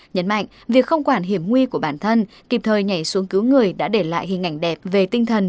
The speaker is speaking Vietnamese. nhấn mạnh việc không quản hiểm nguy của bản thân kịp thời nhảy xuống cứu người đã để lại hình ảnh đẹp về tinh thần